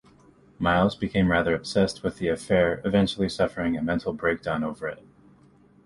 Miles became rather obsessed with the affair, eventually suffering a mental breakdown over it.